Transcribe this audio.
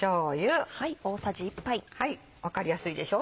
分かりやすいでしょ。